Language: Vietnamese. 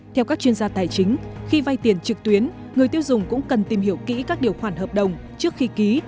theo các chuyên gia tài chính khi vay tiền trực tuyến người tiêu dùng cũng cần tìm hiểu kỹ các điều khoản hợp đồng trước khi ký